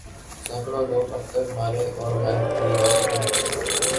سینکڑوں لوگ اب تک مارے اور غائب کئے جا چکے ہیں